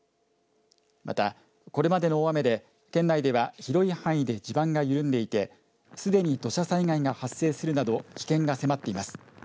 またこれまでの大雨で県内では広い範囲で地盤が緩んでいてすでに土砂災害が発生するなど危険が迫っています。